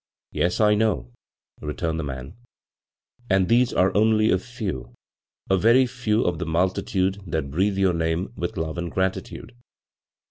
"Yes, I know," returned the man, "and these are only a few — a very few of the mul titude that breathe your name with love and gratitude.